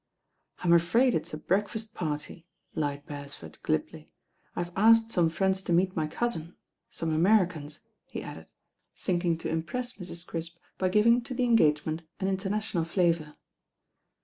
"I'm afraid it*s a breakfast party," lied Beres ford glibly. "I have asked some friends to meet my cousin, some Americans,'* he added, thinking to impress Mrs. Crisp by giving to the engagement an international flavour.